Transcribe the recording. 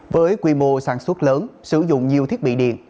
với quy mô sản xuất lớn sử dụng nhiều thiết bị điện